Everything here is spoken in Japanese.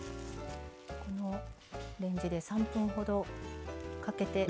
レンジで３分ほどかけて。